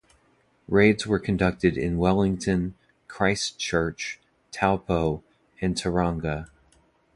Raids were conducted in Wellington, Christchurch, Taupo and Tauranga.